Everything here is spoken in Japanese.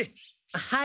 はい。